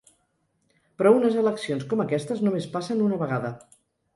Però unes eleccions com aquestes només passen una vegada.